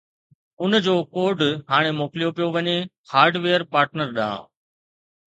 ان جو ڪوڊ ھاڻي موڪليو پيو وڃي هارڊويئر پارٽنرز ڏانھن